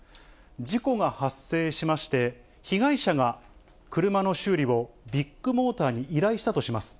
事故が発生しまして、被害者が車の修理をビッグモーターに依頼したとします。